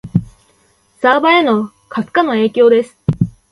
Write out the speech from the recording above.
サーバへの過負荷の影響です